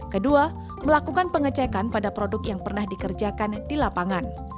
kedua melakukan pengecekan pada produk yang pernah dikerjakan di lapangan